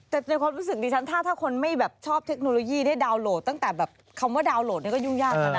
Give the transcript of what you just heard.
แต่ในความรู้สึกดิฉันถ้าคนไม่แบบชอบเทคโนโลยีได้ดาวนโหลดตั้งแต่แบบคำว่าดาวนโหลดนี่ก็ยุ่งยากแล้วนะ